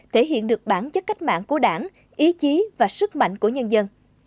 thể hiện được bản chất cách mạng của đảng ý chí và sức mạnh của nhân dân